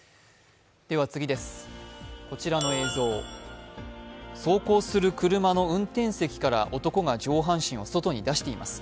こちらの映像、走行する車の運転席から男が上半身を外に出しています。